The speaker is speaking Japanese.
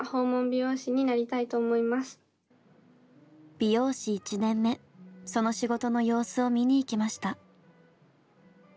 美容師１年目その仕事の様子を見に行きました。